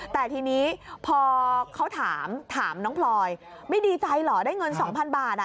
แต่ทีนี้พอเขาถามถามน้องพลอยไม่ดีใจเหรอได้เงิน๒๐๐บาท